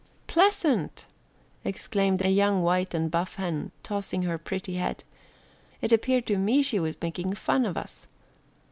"Pleasant!" exclaimed a young white and buff hen, tossing her pretty head, "it appeared to me she was making fun of us."